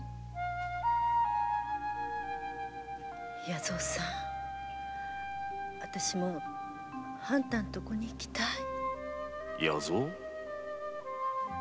弥蔵さん私もあんたのところへ行きたい。